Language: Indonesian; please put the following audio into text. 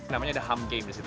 namanya ada ham game di situ